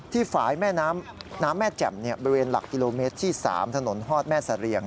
ฝ่ายแม่น้ำแม่แจ่มบริเวณหลักกิโลเมตรที่๓ถนนฮอดแม่เสรียง